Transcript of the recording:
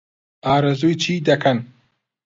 ئارەزووی چی دەکەن؟